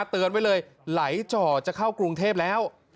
เตือนไว้เลยไหลจ่อจะเข้ากรุงเทพแล้ว